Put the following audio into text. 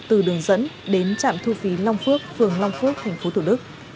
từ đường dẫn đến trạm thu phí long phước phường long phước tp thủ đức